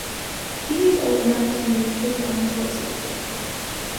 He is old enough to make his own choices.